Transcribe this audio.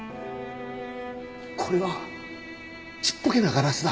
これはちっぽけなガラスだ。